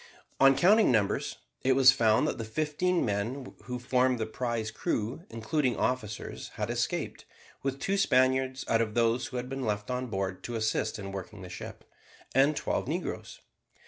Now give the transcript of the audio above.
On counting numbers it was found that the fifteen men who formed the prize crew including officers, had escaped, with two Spaniards out of those who had been left on board to assist in working the ship, and twelve negroes.